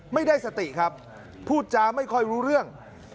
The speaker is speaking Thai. ไม่ได้สติครับพูดจาไม่ค่อยรู้เรื่อง